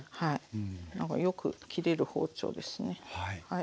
なんかよく切れる包丁ですねはい。